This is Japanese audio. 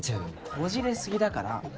こじれ過ぎだから。